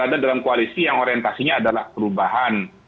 jadi dia bisa ditambahi kualitas yang orientasinya adalah perubahan